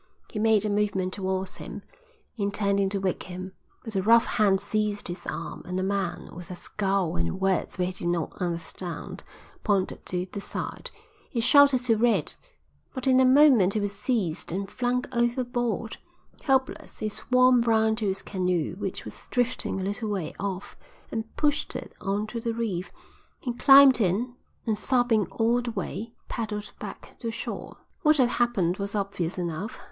He made a movement towards him, intending to wake him, but a rough hand seized his arm, and a man, with a scowl and words which he did not understand, pointed to the side. He shouted to Red, but in a moment he was seized and flung overboard. Helpless, he swam round to his canoe which was drifting a little way off, and pushed it on to the reef. He climbed in and, sobbing all the way, paddled back to shore." "What had happened was obvious enough.